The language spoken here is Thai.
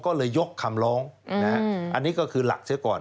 ก็เลยยกคำร้องอันนี้ก็คือหลักเสียก่อน